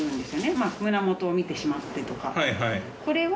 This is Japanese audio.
まぁ「胸元を見てしまって」とか。これは。